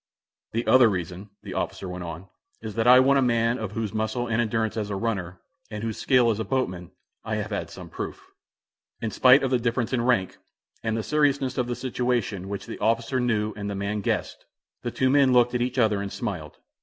"The other reason," the officer went on, "is that I want a man of whose muscle and endurance as a runner, and whose skill as a boatman, I have had some proof." In spite of the difference in rank, and the seriousness of the situation, which the officer knew and the man guessed, the two men looked at each other and smiled.